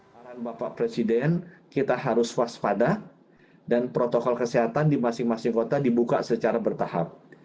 saran bapak presiden kita harus waspada dan protokol kesehatan di masing masing kota dibuka secara bertahap